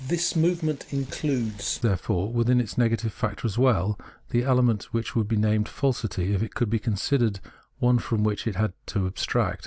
This movement includes, therefore, within it the negative factor as well, the element which would be named falsity if it could be considered one from which we had to abstract.